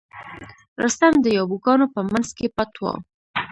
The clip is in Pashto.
رستم د یابو ګانو په منځ کې پټ و.